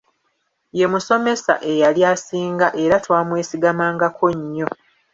Ye musomesa eyali asinga era twamwesigamangako nnyo.